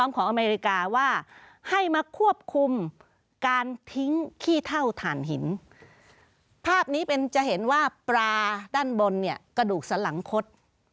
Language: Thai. ของอเมริกาว่าให้มาควบคุมการทิ้งขี้เท่าฐานหินภาพนี้เป็นจะเห็นว่าปลาด้านบนเนี่ยกระดูกสลังคด